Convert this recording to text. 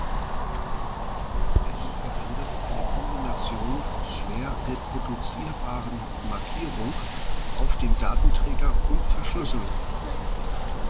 Es verwendet eine Kombination aus schwer reproduzierbaren Markierung auf dem Datenträger und Verschlüsselung.